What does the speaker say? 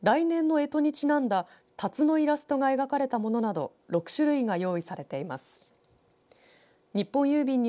デザインは来年のえとにちなんだたつのイラストが描かれたものなど６種類が用意されています。